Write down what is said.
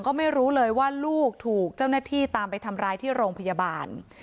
ก็ไม่รู้เลยว่าลูกถูกเจ้าหน้าที่ตามไปทำร้ายที่โรงพยาบาล